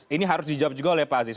ini harus dijawab juga oleh pak aziz